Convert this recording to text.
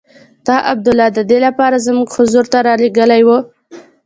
تا عبدالله د دې لپاره زموږ حضور ته رالېږلی وو.